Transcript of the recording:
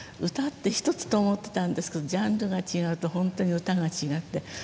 唄って一つと思ってたんですけどジャンルが違うと本当に唄が違って。